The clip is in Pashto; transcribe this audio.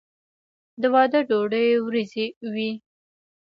د واده ډوډۍ وریجې وي.